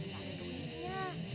dan dunia ini